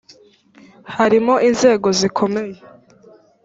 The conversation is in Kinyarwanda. harimo inzego zikomeye